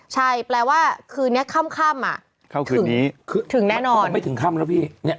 ใช่แปลว่าคืนนี้ค่ำอ่ะค่ำคืนนี้ถึงแน่นอนมันไม่ถึงค่ำแล้วพี่เนี่ย